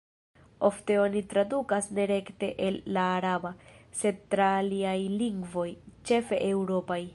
Ofte oni tradukas ne rekte el la araba, sed tra aliaj lingvoj, ĉefe eŭropaj.